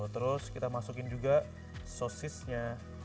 terus kita masukin juga sosisnya